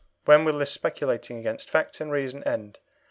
when will this speculating against fact and reason end?